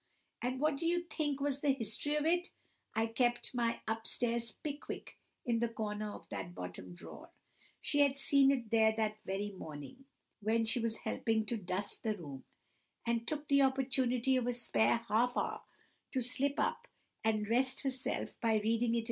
And what do you think was the history of it? I kept my up stairs Pickwick in the corner of that bottom drawer. She had seen it there that very morning, when she was helping to dust the room, and took the opportunity of a spare half hour to slip up and rest herself by reading it in the drawer.